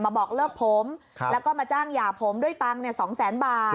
มาบอกเลิกผมแล้วก็มาจ้างหยาผมด้วยตัง๒๐๐๐๐๐บาท